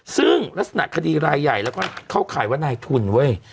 ซึ่งลักษณะคดีรายใหญ่แล้วก็เข้าข่ายว่านายทุนเว้ย